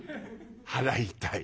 「払いたい」。